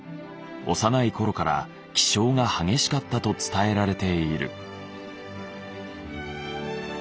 幼い頃から気性が激しかったと伝えられている。